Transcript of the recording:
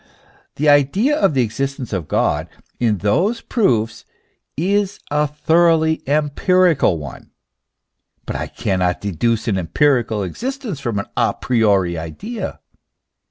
The idea of the existence of God in those proofs is a thoroughly empirical one ; but I cannot deduce empirical existence from an a priori idea.